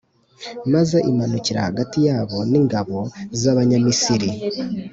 maze imanukira hagati yabo n’ingabo z’abanyamisiri.